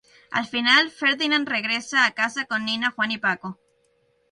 Al final, Ferdinand regresa a casa con Nina, Juan y Paco.